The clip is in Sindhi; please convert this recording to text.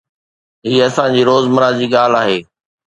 هي اسان جي روزمره جي ڳالهه آهي